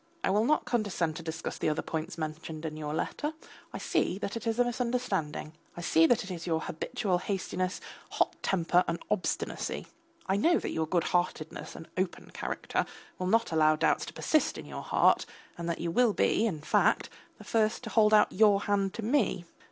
I will not condescend to discuss the other points mentioned in your letter. I see that it is a misunderstanding. I see it is your habitual hastiness, hot temper and obstinacy. I know that your goodheartedness and open character will not allow doubts to persist in your heart, and that you will be, in fact, the first to hold out your hand to me.